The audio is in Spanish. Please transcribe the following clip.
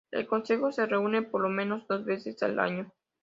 El Consejo se reúne por lo menos dos veces al año.